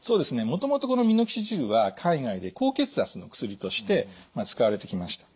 もともとこのミノキシジルは海外で高血圧の薬として使われてきました。